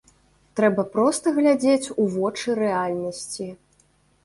Трэба проста глядзець у вочы рэальнасці.